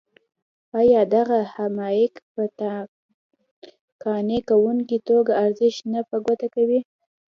ایا دغه حقایق په قانع کوونکې توګه ارزښت نه په ګوته کوي.